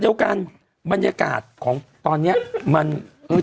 เป็นการกระตุ้นการไหลเวียนของเลือด